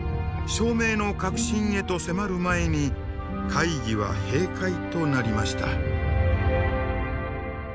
証明の核心へと迫る前に会議は閉会となりました。